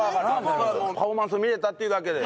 パフォーマンスを見れたっていうだけで。